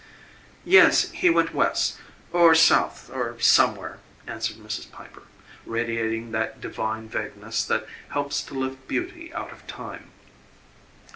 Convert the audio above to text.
"Yes, he went West or South or somewhere," answered Mrs. Piper, radiating that divine vagueness that helps to lift beauty out of time.